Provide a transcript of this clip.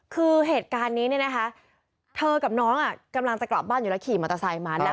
คือเหตุการณ์นี้นะคะเธอกับน้องอ่ะกำลังจะกลับบ้านอยู่แล้วขี่มาตราไซค์มา